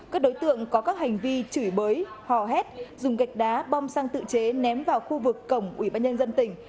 các đối tượng có các hành vi chửi bới hò hét dùng gạch đá bom xăng tự chế ném vào khu vực cổng ủy ban nhân dân tỉnh